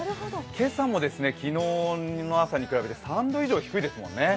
今朝も昨日の朝に比べて３度以上低いですね。